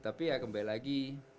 tapi ya kembali lagi